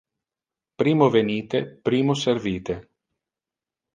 Primo venite, primo servite.